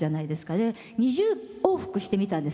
で２０往復してみたんです。